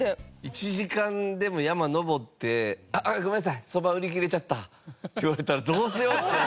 １時間でも山登って「あっごめんなさい蕎麦売り切れちゃった」って言われたらどうしようって。